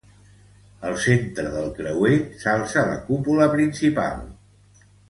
Al centre del creuer, s'alça la cúpula principal.